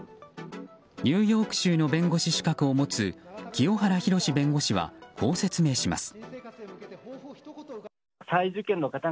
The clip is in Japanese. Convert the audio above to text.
ニューヨーク州の弁護士資格を持つ清原博弁護士はこう説明します。